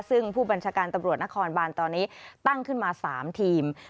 ซึ่งผู้บัญชาการตำรวจนครบานตอนนี้ตั้งขึ้นมา๓ทีม